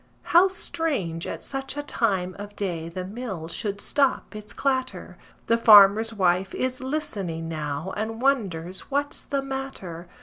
How strange at such a time of day the mill should stop its clatter! The farmer's wife is listening now and wonders what's the matter.